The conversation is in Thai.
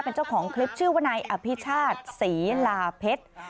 เป็นเจ้าของคลิปชื่อวนายอภิชาติศรีลาเพชร